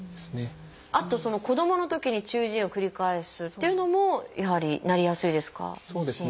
あと「子どものときに中耳炎を繰り返す」っていうのもやはりなりやすいですか？